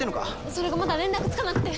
それがまだ連絡つかなくて。